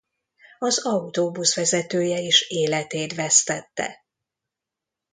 Az autóbusz vezetője is életét vesztette.